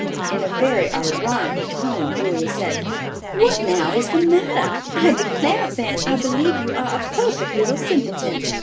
In a very ironical tone Julia said, "What now is the matter? I declare, Fan, I believe you are a perfect little simpleton.